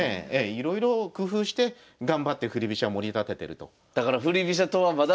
いろいろ工夫して頑張って振り飛車もり立ててると。